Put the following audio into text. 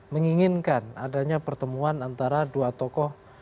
menginginkan adanya pertemuan antara dua tokoh